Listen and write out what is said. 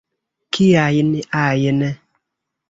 Kiajn ajn!